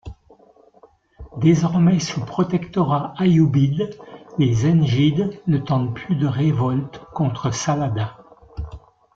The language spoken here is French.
Désormais sous protectorat ayyoubide, les zengides ne tentent plus de révolte contre Saladin.